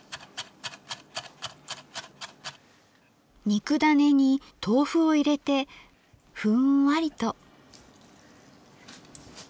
肉ダネに豆腐を入れてふんわりと。